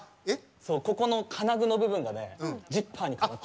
ここの金具の部分がねジッパーに換わって。